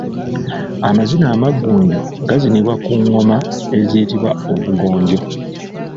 Amazina Amaggunju gazinibwa ku ngoma eziyitibwa Obugonjo.